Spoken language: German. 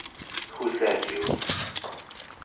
Who Sent You?